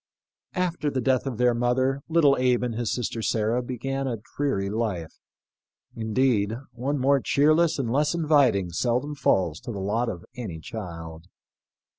After the death of their mother little Abe and his sister Sarah began a dreary life — indeed, one more cheerless and less inviting seldom falls to the lot of any child.